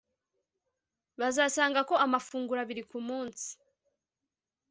bazasanga ko amafunguro abiri ku munsi